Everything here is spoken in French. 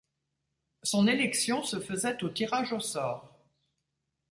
Son élection se faisait au tirage au sort.